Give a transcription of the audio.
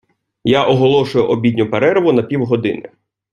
Я оголошую обідню перерву на півгодини!